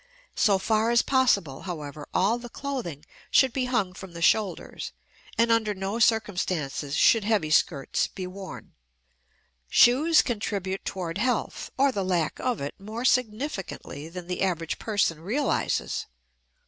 So far as possible, however, all the clothing should be hung from the shoulders, and under no circumstances should heavy skirts be worn. Shoes contribute toward health, or the lack of it, more significantly than the average person realizes.